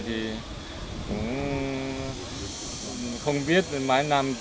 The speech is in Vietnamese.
không biết mấy năm